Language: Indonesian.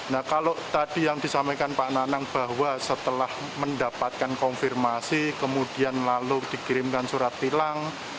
nah kalau tadi yang disampaikan pak nanang bahwa setelah mendapatkan konfirmasi kemudian lalu dikirimkan surat tilang